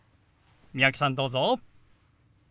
三宅さんどうぞ。